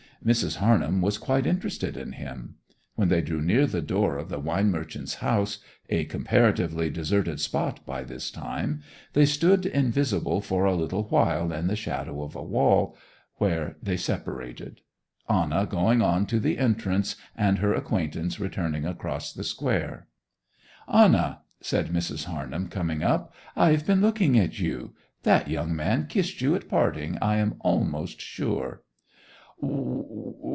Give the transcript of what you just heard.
Mrs. Harnham was quite interested in him. When they drew near the door of the wine merchant's house, a comparatively deserted spot by this time, they stood invisible for a little while in the shadow of a wall, where they separated, Anna going on to the entrance, and her acquaintance returning across the square. 'Anna,' said Mrs. Harnham, coming up. 'I've been looking at you! That young man kissed you at parting I am almost sure.